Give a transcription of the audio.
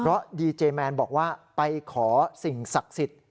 เพราะดีเจแมนบอกว่าไปขอสิ่งศักดิ์สิทธิ์